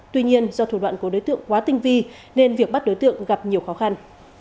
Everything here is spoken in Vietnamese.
tuy nhiên do thủ đoạn của đối tượng quá tinh vi nên việc bắt đối tượng gặp nhiều khó khăn